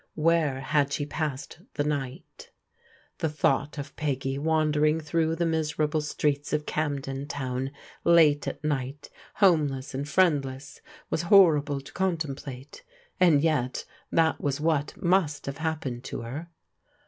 Where had she passed the night ? The thought of Peggy wandering through the miser able streets of Camden Town late at night, homeless and 362 PRODIGAL DAUGHTERS friendless, was horrible to contemplate ; and yet that was what must have happened to her